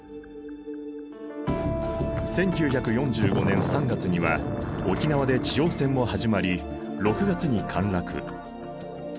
１９４５年３月には沖縄で地上戦も始まり６月に陥落。